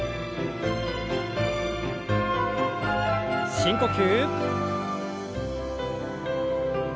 深呼吸。